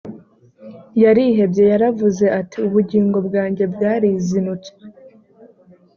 yarihebye yaravuze ati ubugingo bwanjye bwarizinutswe